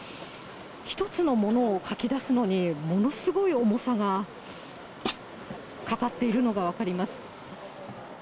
一つのものをかき出すのに、ものすごい重さがかかっているのが分かります。